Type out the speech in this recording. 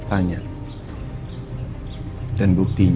kalau dia gini